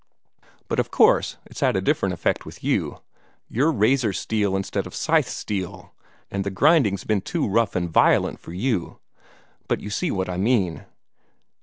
But of course it's had a different effect with you. You're razor steel instead of scythe steel, and the grinding's been too rough and violent for you. But you see what I mean.